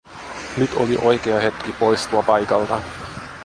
Nyt oli oikea hetki poistua paikalta.